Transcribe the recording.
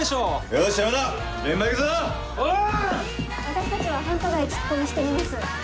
私たちは繁華街聞き込みしてみます。